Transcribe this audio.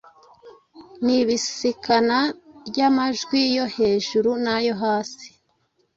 nibisikana ry’amajwi yo hejuru n’ayo hasi